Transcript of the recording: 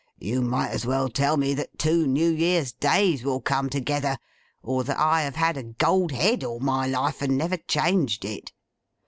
You might as well tell me that two New Year's Days will come together, or that I have had a gold head all my life, and never changed it.